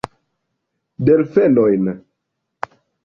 Delfenojn!